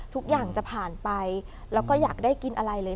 ทุกอย่างจะผ่านไปแล้วก็อยากได้กินอะไรเลย